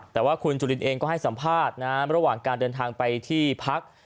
แต่ว่าคุณจุลินเองก็ให้สัมภาษณ์ระหว่างการเดินทางไปที่พัก